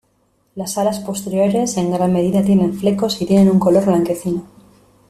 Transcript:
Las alas posteriores en gran medida tienen flecos y tienen un color blanquecino.